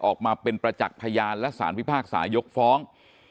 ออกมาเป็นประจักษ์พยานและสารพิพากษายกฟ้อง